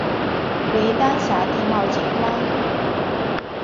为丹霞地貌景观。